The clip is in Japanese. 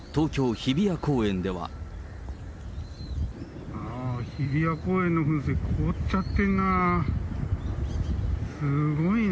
日比谷公園の噴水、凍っちゃってんな。